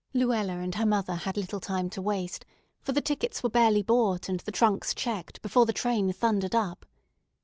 Luella and her mother had little time to waste, for the tickets were barely bought and the trunks checked before the train thundered up.